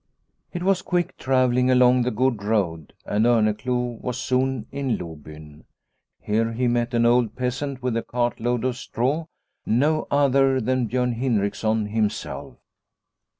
It was quick travelling along the good road, and Orneclou was soon in Lobyn. Here he met an old peasant with a cartload of straw, no other than Biorn Hindriksson himself.